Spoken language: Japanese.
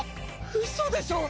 ウソでしょ！？